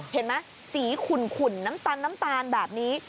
เห็นไหมสีขุ่นน้ำตัญแบบนี้